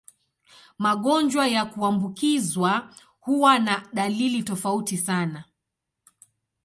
Magonjwa ya kuambukizwa huwa na dalili tofauti sana.